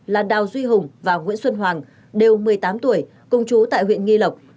là đào duy hùng và nguyễn xuân hoàng đều một mươi tám tuổi công chú tại huyện nghi lộc